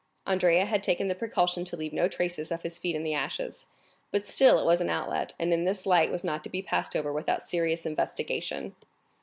Andrea had taken the precaution to leave no traces of his feet in the ashes, but still it was an outlet, and in this light was not to be passed over without serious investigation.